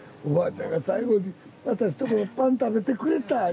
「おばあちゃんが最期にあたしとこのパン食べてくれた」